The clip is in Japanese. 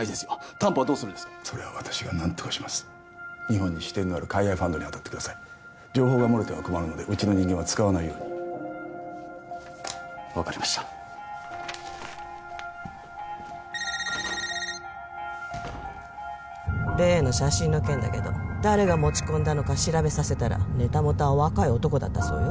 担保はどうするんですかそれは私が何とかします日本に支店のある海外ファンドに当たってください情報が漏れては困るのでうちの人間は使わないように分かりました例の写真の件だけど誰が持ち込んだのか調べさせたらネタ元は若い男だったそうよ